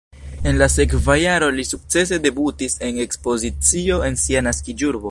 En la sekva jaro li sukcese debutis en ekspozicio en sia naskiĝurbo.